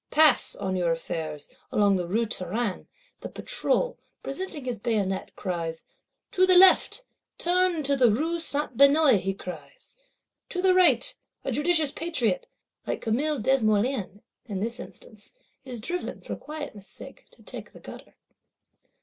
Pass, on your affairs, along the Rue Taranne, the Patrol, presenting his bayonet, cries, To the left! Turn into the Rue Saint Benoit, he cries, To the right! A judicious Patriot (like Camille Desmoulins, in this instance) is driven, for quietness's sake, to take the gutter.